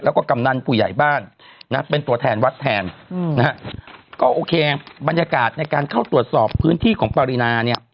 วัดแทนวัดแทนนะฮะก็โอเคบรรยากาศในการเข้าตรวจสอบพื้นที่ของปรินาเนี้ย